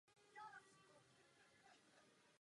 Za tuto dobu jsou všechny části programu dostupné.